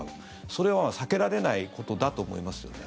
それは避けられないことだと思いますよね。